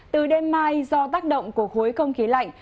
từ đêm mai do tác động của khối không khí lạnh